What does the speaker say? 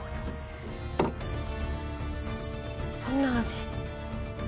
どんな味？